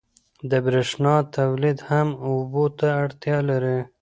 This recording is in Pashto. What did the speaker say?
د برېښنا تولید هم اوبو ته اړتیا لري.